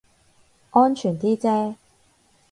安全啲啫